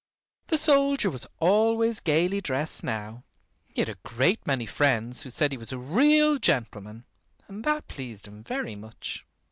The soldier was always gaily dressed now. He had a great many friends who said he was a real gentleman, and that pleased him very much.